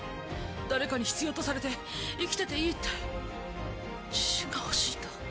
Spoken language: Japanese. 誰かに必要とされて生きてていいって自信が欲しいんだ。